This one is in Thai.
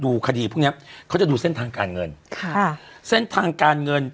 คดีพวกเนี้ยเขาจะดูเส้นทางการเงินค่ะเส้นทางการเงิน